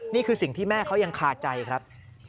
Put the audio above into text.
นี่คือสิ่งที่แม่เขายังคาใจครับ